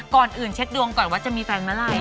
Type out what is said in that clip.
ก่อนอื่นเช็คดวงก่อนว่าจะมีแฟนเมื่อไหร่